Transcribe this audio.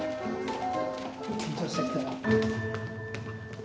あ緊張してきたな。